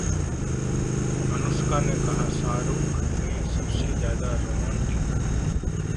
अनुष्का ने कहा, शाहरुख हैं सबसे ज्यादा रोमांटिक